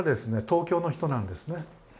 東京の人なんですね。